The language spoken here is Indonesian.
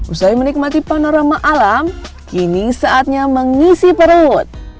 usai menikmati panorama alam kini saatnya mengisi perut